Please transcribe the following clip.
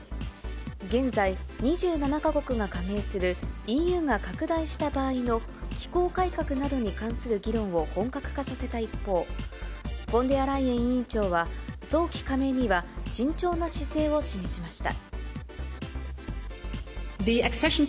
現在、２７か国が加盟するＥＵが拡大した場合の機構改革などに関する議論を本格化させた一方、フォンデアライエン委員長は、早期加盟には慎重な姿勢を示しました。